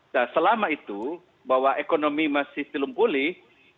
nah selama itu bahwa ekonomi masih telumpulih